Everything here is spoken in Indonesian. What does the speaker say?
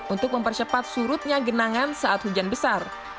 untuk mempercepat surutnya genangan saat hujan besar